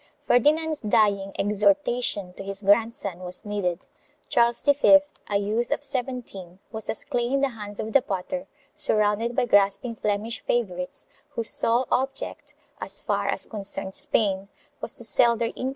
3 Ferdinand's dying exhortation to his grandson was needed. Charles V, a youth of seventeen, was as clay in the hands of the potter, surrounded by grasping Flemish favorites, whose sole object, as far as concerned Spain, was to sell their influence to 1 Mariana, Hist, de Espana, T.